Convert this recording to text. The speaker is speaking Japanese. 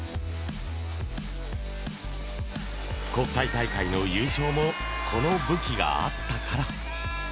国際大会の優勝もこの武器があったから。